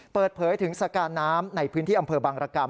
เปิดเผยถึงสการน้ำในพื้นที่อำเภอบังรกรรม